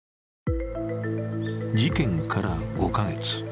事件から５か月。